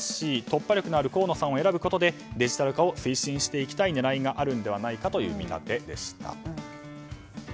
突破力のある河野さんを選ぶことでデジタル化を推進していきたい狙いがあるのではという見立てでした。